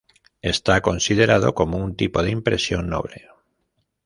Está considerado como un tipo de impresión noble.